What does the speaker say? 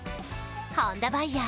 本田バイヤー